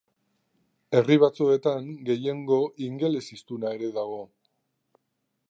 Herri batzuetan gehiengo ingeles-hiztuna ere dago.